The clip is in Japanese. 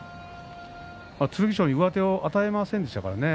剣翔に上手を与えませんでしたからね。